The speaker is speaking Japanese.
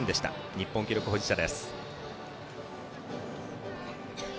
日本記録保持者